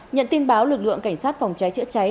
nhận tin báo lực lượng cảnh sát phòng cháy chữa cháy